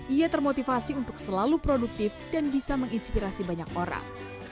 ia termotivasi untuk selalu produktif dan bisa menginspirasi banyak orang